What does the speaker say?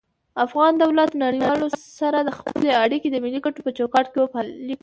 افغان دولت نړيوالو سره خپلی اړيکي د ملي کټو په چوکاټ کي وپالی کړي